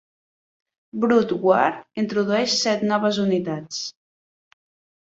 "Brood War" introdueix set noves unitats.